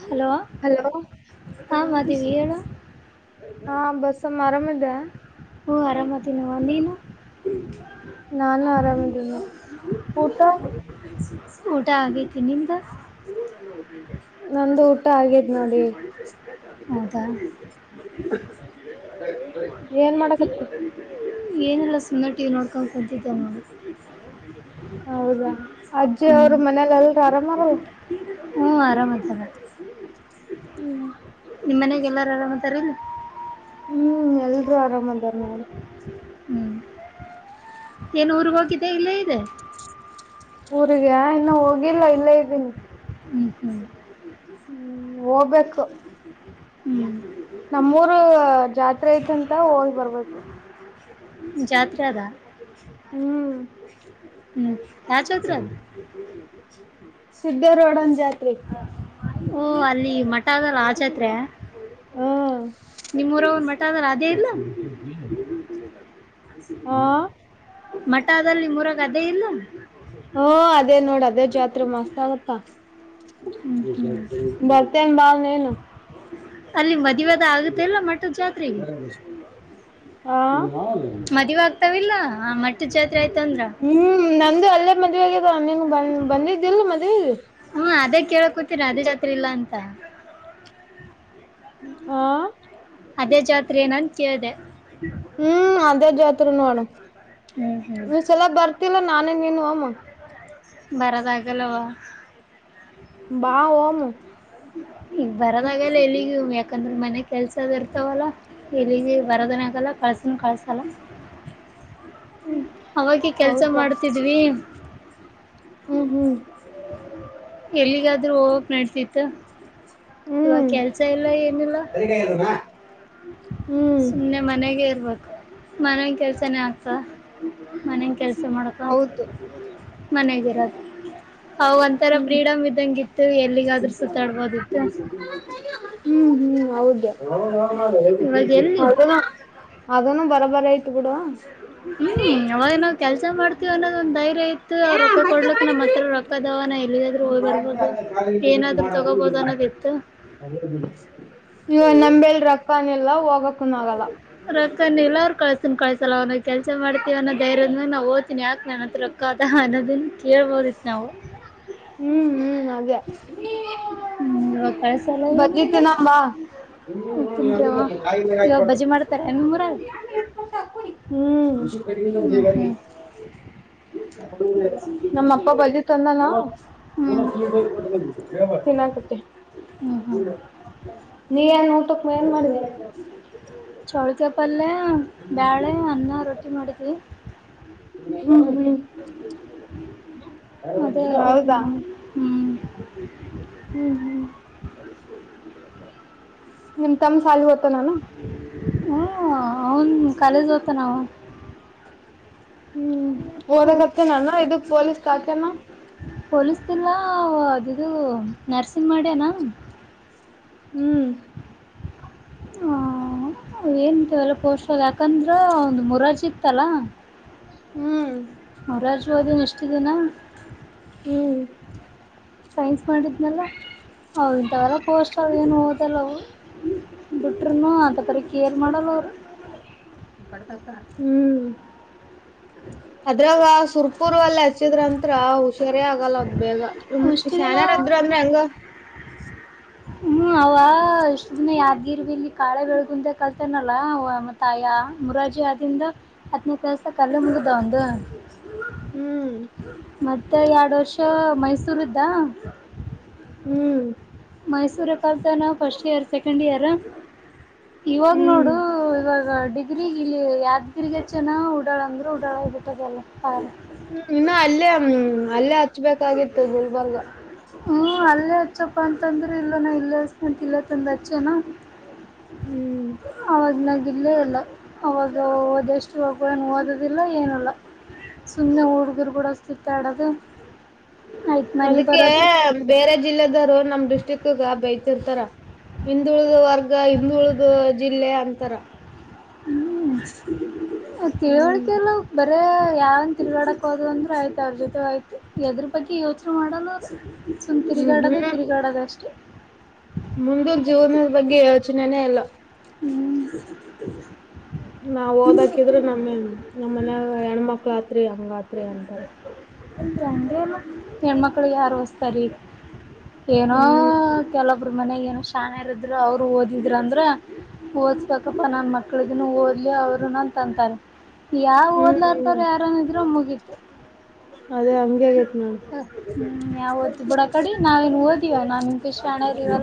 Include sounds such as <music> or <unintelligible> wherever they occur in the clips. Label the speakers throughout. Speaker 1: Hello
Speaker 2: hello
Speaker 1: ಹ ಮಾದೇವಿ ನ
Speaker 2: ಹಾ ಬಸ್ಮ್ಮ ಆರಾಮೇದ
Speaker 1: ಓಞೂ ಆರಾಮತಿನವ ನೀನು
Speaker 2: ನಾನು ಆರಾಮಿದ್ದೀನಿ ಊಟ
Speaker 1: ಊಟ ಆಗೈತಿ ನಿಮ್ದು
Speaker 2: ನಂದು ಊಟ ಆಗೇದ್ ನೋಡಿ
Speaker 1: ಹೌದಾ
Speaker 2: ಏನ್ ಮಾಡಕತ್ತ
Speaker 1: ಏನೆಲ್ಲ ಸುಂದರ ಟಿ ವಿ ನೋಡ್ಕೊಂಡು ಕತಿದ್ದೆ ನಾನು
Speaker 2: ಹೌದಾ ಅಜ್ಜಿ
Speaker 1: ಹ್ಮ್
Speaker 2: ಅವರು ಮನೇಲಿ ಎಲ್ರು ಆರಾಮಾರಲ್ಲ
Speaker 1: ಹ್ಮ್ ಆರಾಮತ್ತಲ್ಲ
Speaker 2: ಹ್ಮ್
Speaker 1: ನಿಮ್ಮ್ ಮನೆಯಾಗ ಎಲ್ಲಾರು ಆರಾಮತಾರಲ್ಲ
Speaker 2: ಹ್ಮ್ ಎಲ್ರು ಆರಾಮದಾರ ನನ್
Speaker 1: ಹ್ಮ್ ಏನು ಊರ್ ಹೋಗಿದೆ ಇಲ್ಲ ಇದೆ
Speaker 2: ಊರಿಗೆ ಇನ್ನು ಹೋಗಿಲ್ಲ ಇಲ್ಲೇ ಇದ್ದೀನಿ
Speaker 1: ಹ್ಮ್ ಹ್ಮ್
Speaker 2: ಹ್ಮ್ ಹೋಗ್ಬೇಕು
Speaker 1: ಹ್ಮ್
Speaker 2: ನಮ್ಮೂರ್ ಜಾತ್ರೆ ಐತಂತ ಹೋಗಿ ಬರ್ಬೇಕು
Speaker 1: ಜಾತ್ರೆ ಅದಾ
Speaker 2: ಹ್ಮ್
Speaker 1: ಹ್ಮ್ ಹಾ ಚೌತ್ರರ
Speaker 2: ಸುದ್ದ ರೋಡ್ಂದ ಜಾತ್ರಿ
Speaker 1: ಓ ಅಲ್ಲಿ ಮಠದ ರಾಜತ್ರ
Speaker 2: ಹಾ
Speaker 1: ನಿಮ್ಮೂರವನ್ ಮಠ ಆದ ಅೇ ಇಲ್ಲ
Speaker 2: ಅ ಹಾ
Speaker 1: ಮಠದಲ್ಲಿ ಮೂರಾಗ ಅದೇ ಇಲ್ಲ
Speaker 2: ಅದ ಜಾತ್ರೆ ಮಸ್ ಆಗತ್ತ
Speaker 1: ಹ್ಞೂ ಹ್ಞೂ
Speaker 2: ಬರ್ತನ್ ಬಾಲ್ ನನು
Speaker 1: ಅಲ್ಲಿ ಮದ್ುವೇದ ಆಗುತ್ತೆ ಇಲ್ಲ ಮಟ್ಟದ ಜಾತ್ರೆಗೆ
Speaker 2: ಹಾ ಹೌದು
Speaker 1: ಿಲ್ಲ ಮಟ್ಟ ಚತಿ
Speaker 2: ಹ್ಮ್ ನಂದು ಅಲ್ಲೇ ಮದ್ವೆಗನ್ ಬಂದ್ ಬಂದಿದ್ದಿಿಲ್ಲ ಮದ್ವೆೆಗೆ
Speaker 1: ಕೇಳ ಕೂತೀರ ಅದೇ ಜಾತ್ರೆ ಇಲ್ಲ ಅಂತ
Speaker 2: ್ಮ ಹಾ
Speaker 1: ಅದೇ ಜಾತ್ರೆ ಏನ ಅನ್ ಕೇಳ್ದ
Speaker 2: ಹ್ಮ್ ಅದೇ ಜಾತ್ರೆ ನೋಡು
Speaker 1: ಹ್ಮ್ ಹಾ್
Speaker 2: ಹ
Speaker 1: ಬರದಾಗಲ್ಲವಾ
Speaker 2: ಬಾವನು
Speaker 1: ಈಗ ಬರದಗಲ್ಲ ಎಲ್ಲಿಗ ಯಾಕಂದ್ರೆ ಮನೆ ಕೆಲ್ಸದ ಇರ್ತವಲ್ಲ ಎಲ್ಲಿಗೆ ಬರದನ ಆಗಲ್ಲ ಕಸ ಸನ್ ಕಳಸಲ್ಲ
Speaker 2: ಹ್ಮ್
Speaker 1: ಕೆಲ್ಸ
Speaker 2: ಹೌದಾ
Speaker 1: ಮಾಡ್ತಿದ್ವಿ
Speaker 2: ಹ್ಮ್ ಹ್ಮ್
Speaker 1: ಎಲ್ಲಿಗಾದ್ರೂ ಹೋಗಕ್ ನಡ್ತಿತ್ತು ಇವಾ ಕೆಲ್ಸ ಇಲ್ಲ ಏನಿಲ್ಲ
Speaker 2: ಹ್ಮ್ ಹ್ಮ್
Speaker 1: ಸುಮ್ಮ್ನೆ ಮನೆಗೆ ಇರ್ಬೇಕು ಮನನ್ ಕೆಲ್ಸನೇ ಆಗ್ತ ಮನಗೆ ಕೆಲ್ಸ ಮಾಡಕಂತ
Speaker 2: ಹೌದು
Speaker 1: ಮನೆಗಿರೋದು ಅವ ಒಂಥರ
Speaker 2: ಹ್ಮ್
Speaker 1: ಫ್ರೀಡಮ್ ಇದ್ದಂಗ ಇತ್ತು ಎಲ್ಲಿಗಾದ್ರೂ ಸುತ್ತಾಡ್ಬಹದು ದತ್ತ ಸಿಿದ್ದ
Speaker 2: ಹ ಅ ಅದ ಬರಬರ ಐತಿ ಹ
Speaker 1: ಹ್ಮ್ ಅವಾಗ ನಾವವು ಕೆಲಸ ಮಾಡ್ತೀವಿ ಅನ್ನೋದ ಒ್ ಧೈರಯ ಇತ್ತು ಅವ್ ರೊಕ್ಕ ಕೊಡ್ಕ್ ನಮ್ಮ್ ಹತ್ರ ರೊಕ್ಕದವನ ಲ್ಲಿಾದ್ರೂ ಹೋಗಿ ಬರ್ಬಹದು ಏನಾದ್ರು ತಗೋಬಹದು ಅನ್ನೋದ ಇತ್ತು
Speaker 2: ಇವ ನಂಬೆಲ್ ರಕ್ಕನ್ ಎಲ್ಲ ಹೋಗಕನ ಆಗಲ್ಲ
Speaker 1: ರಕ್ಕನ ಇಲ್ಲ ಅವ್ ಕಳ್ಸನ್ ಕಳ್ಸಲ್ಲ ಅವ್ನ ಕೆಲ್ಸ ಮಾಡ್ತೀವ ಅೋ ಧೈರ್ಯದ ನಾ ಓದ್ ಇನ್ ಯಾಕೆ ನನ್ನ ಹತ್ರ ರೊಕ್ಕತ ಅನ್ನೋದನ್ ಕೇಳ್ಬೋದಿತ್ತು ನಾವು
Speaker 2: ಹ್ಮ್ ಹ್ಮ್ ಅದೇ
Speaker 1: ಹ್ಮ್ ಇವಾಗ ಕಳ್ಸಲ್ಲ ಏನಿಲ್ಲ
Speaker 2: ಬರ್ಿತೀನಂಬಾ ನೀ
Speaker 1: ತಿನ್ರಿ ಅವ
Speaker 2: ನೋ ಕಾಯಿ ಮೇಲೆ
Speaker 1: ಇವಾಗ
Speaker 2: ಹಾಕ್ಬತ
Speaker 1: ಬಜ್ಜಿ ಮಾಡ್ತಾರೆ ನಿಮ್ಮೂರಾಗ
Speaker 2: ಚಾ ಕುಡಿ ಹ್ಮ್.
Speaker 1: ಹ್ಮ್ ಹ್ಮ್
Speaker 2: <inaudible> ನಮ್ಮ ಅಪ್ಪ ಬಂದಿದ್ ತಂದಾನ
Speaker 1: ಹ್ಮ್
Speaker 2: ತಿನ್ನಾಕತ್ತೆನಿ.
Speaker 1: ಹ್ಮ್ ಹ್ಮ್
Speaker 2: ನೀ ಏನ್ ಊಟಕ್ಕ ಏನ್ ಮಾಡಿಡಿ.
Speaker 1: ಪಲ್ಲೆ ಬ್ಯಾಳೆ ಅನ್ನ ರೊಟ್ಟಿ ಮಾಡೇವ
Speaker 2: ಹ್ಮ
Speaker 1: ಅದೇ ಆಗೈತಿ
Speaker 2: ಹೌದಾ.
Speaker 1: ನೋಡ್ ನಮ್ಗೆ ಹ್ಮ್
Speaker 2: ಹ್ಮ್ ಹ್ಮ್ ನಿಮ್ ತಮ್ಮ ಶಾಲೆಗೆ ಹೋಗ್ತಾನ್ ಏನು?
Speaker 1: ಹ್ಮ ಅವನ್ ಕಾಲೇಜ್ ಹೋಗ್ತಾನ್ ಅವ.
Speaker 2: ಹ್ಮ್ ಓದಾಕತ್ತಾನನ ಇದು ಪೊಲೀಸ್ಗ ಹಾಕ್ಯನು.
Speaker 1: ಪೊಲೀಸ್ ಇಲ್ಲ ಅದ ಇದು ನರ್ಸಿಂಗ್ ಮಾಡ್ಯನ.
Speaker 2: ಹ್ಮ್.
Speaker 1: ಹ ಏನ್ಂತೆವೆಲ್ಲ <inaudible> ಪೋಷಕ ಯಾಕಂದ್ರ ಅವಂದು ಮೊರಾರ್ಜಿ ಇತ್ತಲ್ಲ.
Speaker 2: ಹ್ಮ್
Speaker 1: ಮುರಾರ್ಜಿ <unintelligible>
Speaker 2: ಹ್ಮ್
Speaker 1: ಸೈನ್ಸ್ ಮಾಡಿದ್ನಲ್ಲ ಅವು ಇಂಥವರ ಪೋಸ್ಟ್ ಅವ ಏನು ಓದಲ್ಲ ಅವು. ಬಿಟ್ರೂನು ಹಂತಾ ಪರಿ ಕೇರ್ ಮಾಡಲ್ಲ ಅವರು.
Speaker 2: <inaudible> ಹ್ಮ್ ಅದ್ರಾಗ ಸುರ್ಪುರ್ ಅಲ್ಲಿ ಹಚ್ಚಿದ್ರಂತ್ರ ಹುಷಾರ್ ಸರಿ ಆಗಲ್ಲ ಅದ ಬೇಗ ಹ
Speaker 1: ಇಷ್ಟು
Speaker 2: ಶ್ಯಾನ್ಯರ್
Speaker 1: ದಿನ
Speaker 2: ಇದ್ರ ಅಂದ್ರೆ ಹಂಗ.
Speaker 1: ಹ್ಮ್ ಅವ ಇಷ್ಟ್ ದಿನ ಯಾದಗಿರಿಯಲ್ಲಿ ಕಾಳೆ ಬೆಳಗುಂದ ಕಲ್ತನಲ್ಲ ಮತ್ತ ತಾಯ ಮೊರಾರ್ಜಿ ಆದಿಂದ ಹತ್ತನೇ ಕ್ಲಾಸ್ ತನಕ ಅಲ್ಲೇ ಮುಗದಿದ ಅವಂದು.
Speaker 2: ಹ್ಮ್
Speaker 1: ಮತ್ತೆ ಎರಡು ವರ್ಷ ಮೈಸೂರುದಾ.
Speaker 2: ಹ್ಮ್
Speaker 1: ಮೈಸೂರಲ್ಲಿ ಕಲ್ತಾನ ಫಸ್ಟ್ ಇಯರ್ ಸೆಕೆಂಡ್ ಇಯರ್ ಇವಾಗ
Speaker 2: ಹ್ಮ್ ಹ್ಮ್
Speaker 1: ನೋಡು ಇವಾಗ ಡಿಗ್ರಿ ಇಲ್ಲಿ ಯಾದಗಿರಿಗ ಹಚ್ಚ್ಯಾನ್ ಉಡಾಳ ಅಂದ್ರೆ ಉಡಾಳ ಆಗಿ ಬಿಟ್ಟೆದ್ ಎಲ್ಲಾ ಶಾಲಿ -
Speaker 2: ಇನ್ನು ಅಲ್ಲೇ ಹ ಅಲ್ಲೇ ಹಚ್ಬೇಕಾಗಿತ್ತು ಗುಲ್ಬರ್ಗ.
Speaker 1: ಹ್ಮ್ ಅಲ್ಲೇ ಹಚ್ಚಪ್ಪ ಅಂತಂದ್ರೆ ಇಲ್ಲನ ಇಲ್ಲಂತ ಇಲ್ಲತ್ತಂದ ಹಚ್ಚನಾ.
Speaker 2: ಹ್ಮ್
Speaker 1: <unintelligible> ಇಲ್ಲೇ ಇಲ್ಲ ಅವಾಗ <inaudible> ಓದೋದ್ ಇಲ್ಲ ಏನಿಲ್ಲ. ಸುಮ್ಮನೆ ಹುಡುಗರುಗೂಡ ಸುತ್ತಾಡೋದು. ಆಯ್ತ್ ಮನಿ
Speaker 2: ಅದಕ್ಕೆ
Speaker 1: ಬರೋದು
Speaker 2: ಬೇರೆ ಜಿಲ್ಲೆದವರು ನಮ್ ಡಿಸ್ಟಿಕ್ ಗ ಬೈತಿರ್ತಾರ ಹಿಂದುಳಿದ ವರ್ಗ ಹಿಂದುಳಿದ ಜಿಲ್ಲೆ ಅಂತಾರ.
Speaker 1: ಹ್ಮ್
Speaker 2: ಹ್ಮ್
Speaker 1: ತಿಳುವಳಿಕೆ ಇಲ್ಲ ಇವಕ್ - ಅರೆ ಯಾವನು ತೀರ್ಗ್ಯಾಡಾಕ ಹೋದ ಅಂದ್ರೂ ಆಯ್ತು ಅವ್ರ ಜೊತೆ ಆಯ್ತು ಎದ್ರ ಬಗ್ಗೆ ಯೋಚನೆ ಮಾಡೋಲ್ಲ ಅವ್ರು. ಸುಮ್
Speaker 2: ಹ್ಮ್
Speaker 1: ತಿರುಗಾಡದೆ
Speaker 2: ಹ್ಮ್
Speaker 1: ತಿರುಗಾಡೋದೆ ಅಷ್ಟೇ.
Speaker 2: ಮುಂದಿನ ಜೀವನದ ಬಗ್ಗೆ ಯೋಚನೆನೇ ಇಲ್ಲ.
Speaker 1: ಹ್ಮ್
Speaker 2: ನಾವ್ ಓದಾಕಿದ್ರೆ ನಮ್ಮ ನಮ್ಮ್ ಮನ್ಯಾಗ ಹೆಣ್ಮಕ್ಳ ಆತ್ರಿ ಹಂಗತ್ರಿ ಅಂತಾರ.
Speaker 1: ಹೆಣ್ಮಕ್ಳಿಗೆ ಯಾರು ಓದ್ಸ್ತಾರ ಈಗ. ಏನೋ
Speaker 2: ಹ್ಮ್
Speaker 1: ಕೇಳೊಬ್ಬರು ಮನ್ಯಾಗ ಏನೋ ಶ್ಯಾನರ ಇದ್ರರು ಅವರು ಓದಿದ್ರ ಅಂದ್ರ ಓಡ್ಸಬೇಕಪ್ಪ ನನ್ನ ಮಕ್ಳಗನ್ನು ಓದಲಿ ಅವರು <inaudible> ತಂತಾರ. ಯಾವ
Speaker 2: ಹ್ಮ್
Speaker 1: ಒಡ್ಲಲಾದವರ
Speaker 2: ಹ್ಮ್
Speaker 1: ಯಾರನ್ನ ಇದ್ರರ ಮುಗೀತ
Speaker 2: ಅದೇ ಹಂಗೆ ಆಗೇತ್ ನೋಡು
Speaker 1: ಹ್ಮ್ ಯಾವ ಓದ್ತಿ ಬಿಡ ಆಕಡೆ ನಾವೇನು ಓದ್
Speaker 2: ಹ್ಮ.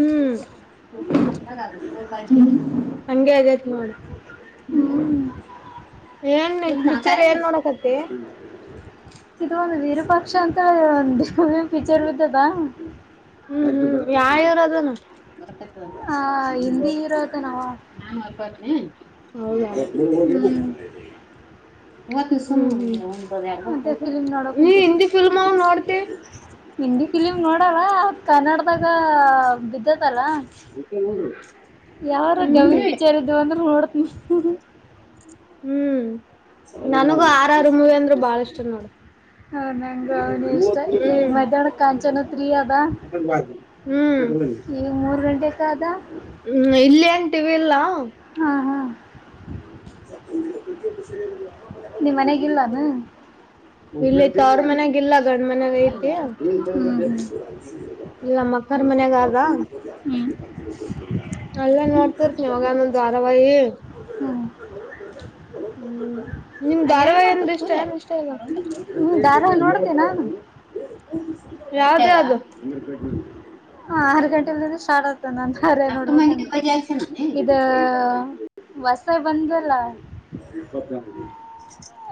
Speaker 2: <unintelligible> ಹಂಗಗೆ ಆಗೇತ್ ನೋಡು
Speaker 1: ಹ್ಮ್
Speaker 2: ಏನ್ ಪಿಚರ್ ಏನ್ ನೋಡಕತ್ತ
Speaker 1: ಇ ಪಕ್ಷ ಅಂತ ಒ ದ ಪಚರ್್ದದಾ
Speaker 2: ಹ್ಮ್ ಹ್ಮ್ ಯಾವವರು ಅದನು
Speaker 1: ಹ ಹಿಂದಿ ಇರೋದು ನಾವ
Speaker 2: ನಾನೋಗ
Speaker 1: ಹ್ಮ್
Speaker 2: ಹತ್ತು ಸು
Speaker 1: ಮತ್ತೆ ಫಿಲಿಮ್ ನೋಡಕ್ ಉಂಟು
Speaker 2: ಅವ್ ನೋಡ್ತಿ
Speaker 1: ಹಿಂದಿ ಫಿಲಿಮ್ ನೋಡವಾ ಕನ್ನಡದಾಗ ಬಿದ
Speaker 2: ರು
Speaker 1: ಯಾರ ಗಮ ಪಿಚಾರಿದ್ ಅಂದ್ರೆ ನೋಡತ್
Speaker 2: ಹ್ಮ್ ನನಗೂ ಆರರುಮವಿ ಅಂದ್ರರು ಬಾಳ ಇಷ್ಟ ನೋಡ
Speaker 1: ಹೌದ ಹ ನೀ ಇಷ್ಟ ಈ ಮಧ್ಯಾಹ್ನ ಕಾಂಚನತ್ೀ ಅದ
Speaker 2: ಹ್ಮ್
Speaker 1: ಈ ಮೂರು ಗಂಟೆ ಕಾದ
Speaker 2: ಹ್ಮ್ ಇಲ್ಲಿ ಅಂತೀವಿ ಇಲ್ಲ
Speaker 1: ಹಾ ಹಾ
Speaker 2: ಇಲ್ಲಿತ್ತು ಅವರ ಮನ್ಯಾಗಲ್ಲ ಗಂಡ ಮನ್ಾಗ ಐ
Speaker 1: ಹ್ಞೂ ಹ್ಞೂ
Speaker 2: ಇಲ್ಲ ಮಕ್ಕರ್ ಮನ್ಾಗಾಗ
Speaker 1: ಹ್ಞೂ
Speaker 2: ಎಲ್ಲ ನೋಡ್ತಿರ್ತಿ ಅವಾಗಾನೊಂದು್ ವಾರಾವಾಹಿ
Speaker 1: ಹ್ಮ್
Speaker 2: ಹ್ಮ್ ನಿಮ್ ಧಾರವಾಡಿ ಅಂದ
Speaker 1: ಹ್ಞೂ ಧಾರಾವಾಹಿ ನೋಡ್ತೀನಿ ನಾನು
Speaker 2: ಇ ಯಾವ್ದ್ದ
Speaker 1: ಹ ಆರ್ ಗಂಟೆಲ್ ಸ್ಟಾರ್ಟ್ ಆಗ್ತದೆ ನಾನರೆ ನೋಡ್ಬೇಕ ಇದ ಹೊಸಾಯ ಬಂದಲ್ಲ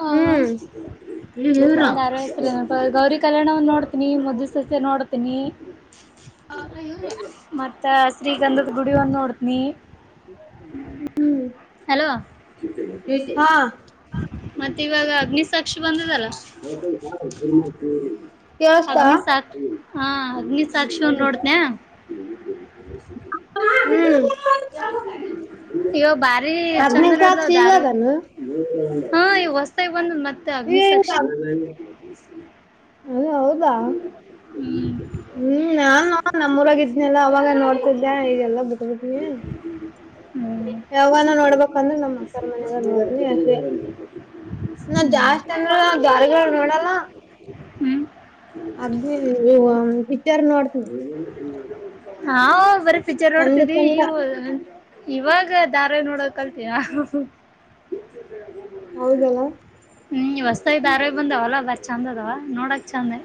Speaker 1: ಹ
Speaker 2: ಹ್ಮ್
Speaker 1: ದಾರವ ಹೆತರನ ಬ ಗೌರಿ ಕಲ್ಯಾಣವನ್ನು್ ನೋಡ್ತೀನಿ ಮಜ್ಜು ಸಸ್ಯ ನೋಡ್ತೀನಿ ಮತ್ತ ಶ್ರೀಗಂಧದ ಗುಡಿವನ್ ನೋಡ್ತನಿ ಹಲೋ
Speaker 2: ಹಾ
Speaker 1: ಮತ್ತೆ ಇವಾಗ ಅಗ್ನಿಸಾತ್
Speaker 2: ಯ ಕ ಕೆ ಅತ
Speaker 1: ಅಗ್ನಿಸಾಕ್ಷಿ ಹಾ ಅಗ್ನಿಸಾಕ್ಷಿ ಈ ಸಿ ಇವ ಬಾರಿ ಚಂದ
Speaker 2: ಹದ್ನೈದು ಸಾಕ್
Speaker 1: ನಡದಾವ ದಾರ
Speaker 2: ಸಿಗದನು
Speaker 1: ಹಾ ಇಸ್ ಹ
Speaker 2: ಅದ ಹೌದಾ
Speaker 1: ಹ್ಮ್
Speaker 2: ಹ್ಮ್ ನಾನು ನಮ್ಮೂರಾಗ ಇದ್ನಲ್ಲ ಅವಾಗ ನೋಡ್ತಿದ್ದೆ ಈಗೆಲ್ಲ ಬಿಟ್ಬಟ್ನಿ
Speaker 1: ಹ್ಮ್
Speaker 2: ಯಾವಾಗಾನ ನೋಡ್ಬೇಕಂದ್ರೆ ನಮ್ ಅಕ್ಕರ ಮನದ ನೋಡನಿ ಅಷ್ಟೆ ನಾ
Speaker 1: ಹ್ಮ್
Speaker 2: ಜಾಸ್ತಿ ಅಂದ್ರ ಜಾರಿಗಳು ನೋಡಲ್ಲ
Speaker 1: ಹ್ಮ್
Speaker 2: ಅದು ಪಿಚರ್
Speaker 1: ಹಾ ಬರೀ ಪಿಚರ್
Speaker 2: ಚಂದ
Speaker 1: ನೋಡ್ತಿದಿ
Speaker 2: ಚಂದ
Speaker 1: ಇವು ಇವಾಗ ದಧಾರೆ ನೋಡೋಕ್ ಕಲ್ತಯಾ
Speaker 2: ಹೌದಲ್ಲ
Speaker 1: ಹ್ಮ ಹೊಸತ ದಾರ ಬಂದಾವಲ್ಲ ಬ ಚಂದ ಅದವ ನೋಡಕ್ ಚೆಂದ್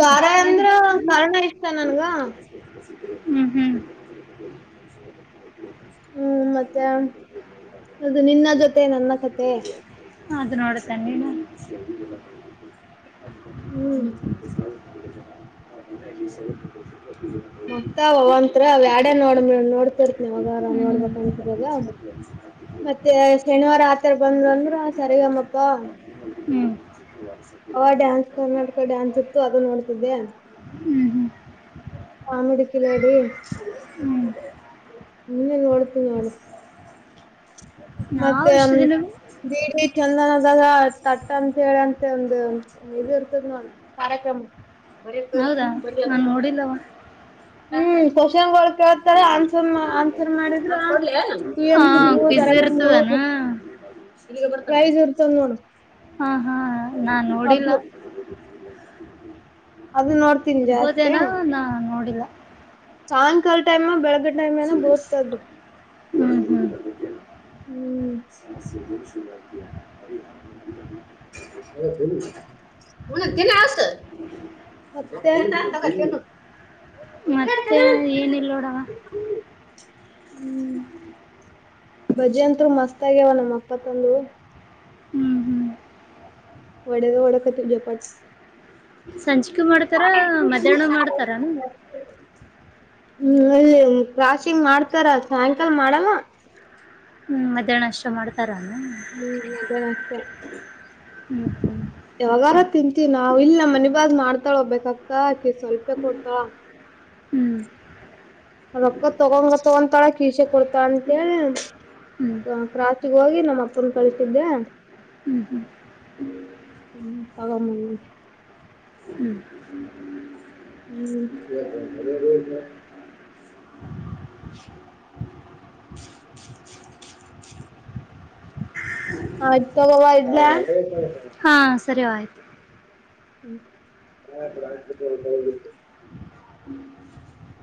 Speaker 2: ಗಾರ ಅಂದ್ರ ಹಣ ಎಷ್ಟ
Speaker 1: ಹ್ಮ್ ಹ್ಮ್
Speaker 2: ಹ್ಮ್ ಮತ್ತೆ ಅದು ನಿನ್ನ ಜೊತೆ ನನ್ನ ಕತೆೆ
Speaker 1: ಅದು ನೋಡತನ್ನೇನು
Speaker 2: ಹ್ಮ್ ಚ
Speaker 1: ಇೇ ಜ ಸ
Speaker 2: ಮಕ್ತ ಅವತ್ತ್ರ ಅವ್ಯಾಡ ನೋಡ್ ನೋಡ್ತರ್ತಿನಾವಾಗಾರ
Speaker 1: ಹ್ಮ್
Speaker 2: ನೋಡ್ಬಂತಿದಲ್ಲ ಮತ್ತೆ ಶನಿವಾರ ಆತರ ಬಂದ್ರು ಅಂದ್ರರು ಸರಿಗಮ್ಮಪ್ಪ
Speaker 1: ಹ್ಮ್ ಹ್ಮ್
Speaker 2: ಕರ್ನಾಟಕ ಡ್ಯಾನ್ಸ್ ಇತ್ತು ಅದು
Speaker 1: ಹ್ಮ್
Speaker 2: ಆಮಡಿ ಕಲೋಡಿ ಹ್ಮ ನೋಡತನ ನಡ
Speaker 1: ನಾವು
Speaker 2: ಮತ್ತೆ
Speaker 1: ಇಷ್ಟು ದಿನ
Speaker 2: ಬಿಟ ಚಂದನ ಒ ತಟ್ಟ ಅಂತ ಹೇಳಂತೆ ಒಂದು ಇದು ಇರ್ತದ ನೋಡ ಕಾರ್ಯಕ್ರಮ ಬರ ಕಕ
Speaker 1: ಹೌದಾ
Speaker 2: ಬ
Speaker 1: ನಾನ್ ನೋಡಿಲ್ಲವ
Speaker 2: ಹ ಪಷಂಗ ತ ಆನ್ಸರ್ ಆನ್ಸರ್ ಮಾಡಿದ
Speaker 1: ಹಾ ಕ್ವಿಜ್
Speaker 2: ಕಂುದಂದ
Speaker 1: ಇರ್ತದಾನ
Speaker 2: ಈಗ ಬ ಪ್ರೈಸ್್ ಇರ್ತದೆ ನೋ
Speaker 1: ಹಾ ಹಾ ನಾನ್ ನೋಡಿಲ್ಲ
Speaker 2: ಅದು ಅದು ನೋಡ್ತೀನಿ ಜಾಸ್ತಿ
Speaker 1: ಇರ್ಬೋದೇನ ನಾ ನೋಡಿಲ್ಲ
Speaker 2: ಸಾಯಂಕಾಲ ಟೈಮ್ ಬೆಳಗ್ಗೆ ಟೈಮ್ ನ ಬೋದ್ತಾದ್ದು
Speaker 1: ಹ್ಮ
Speaker 2: ಹ್ಮ್
Speaker 1: ಹ್ಮ ಸಮ
Speaker 2: ಹನ ತಿಿನಸ ಮತ್ತೆ ಎ
Speaker 1: ಮತ್ತೆ ಏನಲ್ ನೋಡವ ಹ
Speaker 2: ಬಜೆ ಅಂತ್ರು ಮಸ್ತ್ ಆಗ್ಯಾವ ನಮ್ಮ್ ಅಪ್ಪತ್ತಂದು
Speaker 1: ಹ್ಮ್ ಹ್ಮ್
Speaker 2: ಒಡೆದ ಒಳಕತಿ ಜಪಾಟ್ಸ್
Speaker 1: ಸಂಜಿಕೂ ಮಾಡ್ತಾರ ಮಧ್ಯಾಹ್ನ ಮಾಡ್ತಾರನು
Speaker 2: ಹ್ಮ ಇಲ್ಲಿ ಕ್ರಾಶಿಂಗ್ ಮಾಡ್ತಾರ ಸಾಯಂಕಾಲ ಮಾಡಲ್ಲ
Speaker 1: ಹ್ಮ್ ಮಧ್ಯಾಹ್ ನಷ್ಟ ಮಾಡ್ತ
Speaker 2: ಹ್ಮಗತೆ
Speaker 1: ಹ್ಮ್
Speaker 2: ಯಾವಾಗಾರ ತಿಂತಿ ನಾವ್ ಇಲ್ ಮನೆ ಬಾಗ್ ಮಾಡ್ತಾಳ ಹೋಗ್ಬೇಕಕ್ಕ ಅೆ ಸ್ವಲ್ಪ ಕೊಡ್ತ
Speaker 1: ಹ್ಮ್
Speaker 2: ರೊಕ್ಕ ತಗೊಂಗ ತಗೊತಾಳಕ್ ಇಸೆ ಕೊಡ್ತ ಅಂತೇಳ
Speaker 1: ಹ್ಮ್
Speaker 2: ಕ್ರಾಾಸಿಗೆ ಹೋಗಿ ನಮ್ಮ ಅಪ್ಪನ ಕಳಿಸಿದ್ದೆ ಹ್ಮ ಸಗಾಮ
Speaker 1: ಹ್ಮ್
Speaker 2: ಹ್ಮತ
Speaker 1: ಹ
Speaker 2: ಆಯ್ತು ತಗೋುವ ಇದ್ದ
Speaker 1: ಹಾ ಸರಿ ಆಯ್ತು.
Speaker 2: ಹ್ಮ ಪ್ರಾಣ
Speaker 1: ಹ್ಮ್